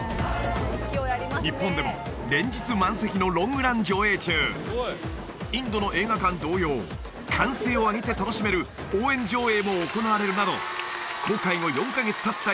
日本でも連日満席のロングラン上映中インドの映画館同様歓声を上げて楽しめる応援上映も行われるなど公開後４カ月たった